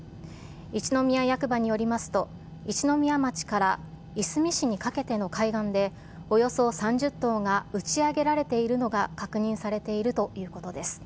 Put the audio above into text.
一宮役場によりますと、一宮町からいすみ市にかけての海岸で、およそ３０頭が打ち上げられているのが確認されているということです。